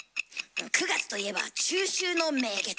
９月といえば中秋の名月。